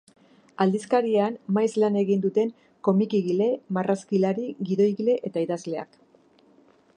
Aldizkarian maiz lan egin duten komikigile, marrazkilari, gidoigile eta idazleak.